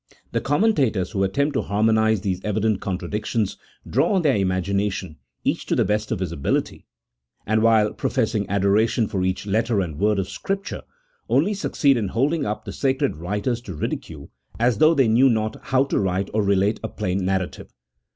The commentators who at tempt to harmonize these evident contradictions draw on their imagination, each to the best of his ability ; and while professing adoration for each letter and word of Scripture, only succeed in holding up the sacred writers to ridicule, as though they knew not how to write or relate a plain narrative.